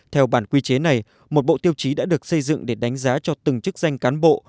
theo bản quy chế này một bộ tiêu chí đã được xây dựng để đánh giá cho từng chức danh cán bộ